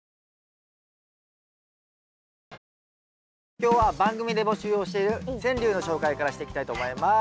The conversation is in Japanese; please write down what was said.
今日は番組で募集をしている川柳の紹介からしていきたいと思います。